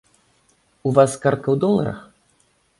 У вас картка ў доларах?